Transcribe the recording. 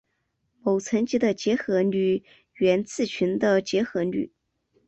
其乘积的结合律源自群的结合律。